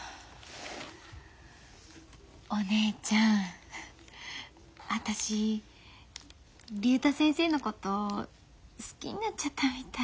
お姉ちゃん私竜太先生のこと好きになっちゃったみたい。